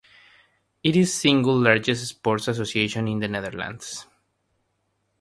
It is the single largest sports association in the Netherlands.